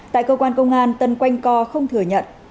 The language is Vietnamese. tại cơ quan công an tân quanh co không thừa nhận